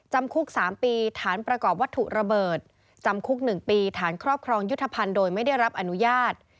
จำคุก๓ปีฐานประกอบวัตถุระเบิดจำคุก๑ปีฐานครอบครองยุทธภัณฑ์โดยไม่ได้รับอนุญาต